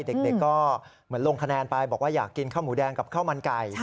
เด็กก็เหมือนลงคะแนนไปบอกว่าอยากกินข้าวหมูแดงกับข้าวมันไก่